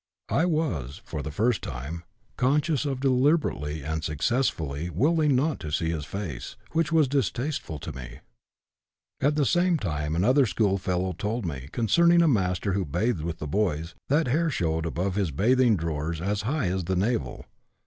I was, for the first time, conscious of deliberately (and successfully) willing not to see his face, which was distasteful to me. At the same time another schoolfellow told me, concerning a master who bathed with the boys, that hair showed above his bathing drawers as high as the navel.